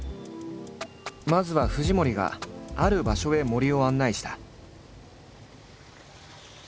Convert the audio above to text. まずは藤森がある場所へ森を案内した。